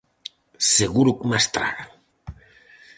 Seguro que ma estragan!